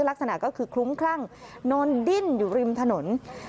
ลักษณะก็คือคลุ้มคลั่งนอนดิ้นอยู่ริมถนน